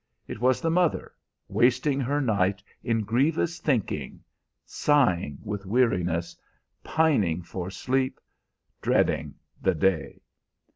It was the mother, wasting her night in grievous thinking, sighing with weariness, pining for sleep, dreading the day.